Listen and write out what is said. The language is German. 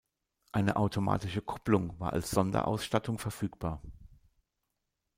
Eine automatische Kupplung war als Sonderausstattung verfügbar.